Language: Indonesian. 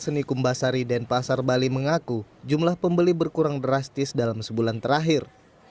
seni kumbasari denpasar bali mengaku jumlah pembeli berkurang drastis dalam sebulan terakhir